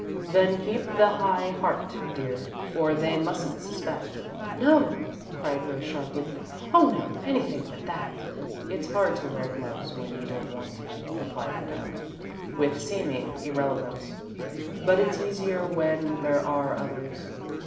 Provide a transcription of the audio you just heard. "Then keep the high heart, dear, for they mustn't suspect." "No," cried Rose sharply, "oh, no! Anything but that!" "It's hard to wear gloves when you don't want to," replied Madame, with seeming irrelevance, "but it's easier when there are others.